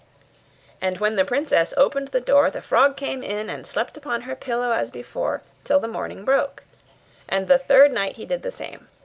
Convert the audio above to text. And when the princess opened the door the frog came in, and slept upon her pillow as before, till the morning broke. And the third night he did the same.